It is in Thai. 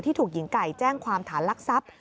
ถูกหญิงไก่แจ้งความฐานลักทรัพย์